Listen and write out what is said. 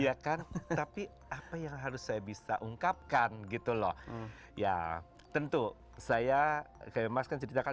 iya kan tapi apa yang harus saya bisa ungkapkan gitu loh ya tentu saya kayak mas kan ceritakan